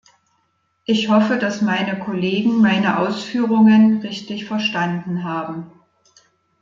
Ich hoffe, dass meine Kollegen meine Ausführungen richtig verstanden haben.